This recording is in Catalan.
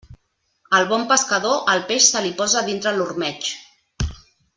Al bon pescador, el peix se li posa dintre l'ormeig.